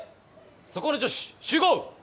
そこの女子集合！